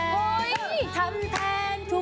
ทำแทนทุกเรื่องไม่รู้